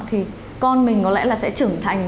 thì con mình có lẽ là sẽ trưởng thành